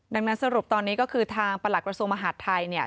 ดังนั้นสรุปตอนนี้ก็คือทางประหลักกระทรวงมหาดไทยเนี่ย